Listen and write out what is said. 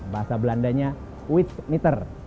bahasa belandanya huitsmieter